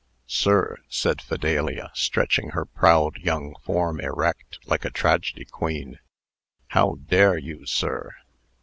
"Sir!" said Fidelia, stretching her proud young form erect, like a tragedy queen, "How dare you, sir!"